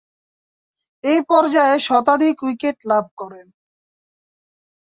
এ পর্যায়ে শতাধিক উইকেট লাভ করেন।